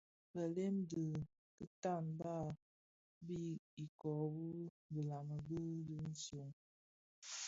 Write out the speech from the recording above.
Belem dhi tikaň bas bi iköö wu dhilami, bi dhishyon,